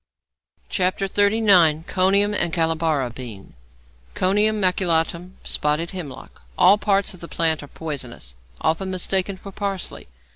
XXXIX. CONIUM AND CALABAR BEAN =Conium Maculatum= (Spotted Hemlock). All parts of the plant are poisonous, often mistaken for parsley.